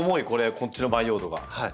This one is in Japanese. こっちの培養土が。